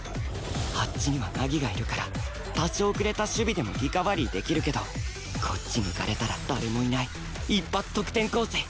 あっちには凪がいるから多少遅れた守備でもリカバリーできるけどこっち抜かれたら誰もいない一発得点コース